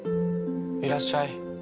いらっしゃい。